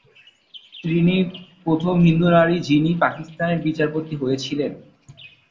তিনি প্রথম হিন্দু নারী যিনি পাকিস্তানের বিচারপতি হয়েছিলেন।